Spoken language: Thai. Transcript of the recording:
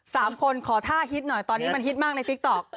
สามคนขอท่าฮิตหน่อยตอนนี้มันฮิตมากในติ๊กต๊อก